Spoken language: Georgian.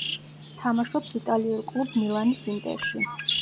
თამაშობს იტალიურ კლუბ მილანის „ინტერში“.